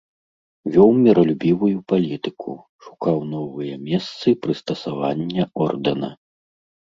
Вёў міралюбівую палітыку, шукаў новыя месцы прыстасавання ордэна.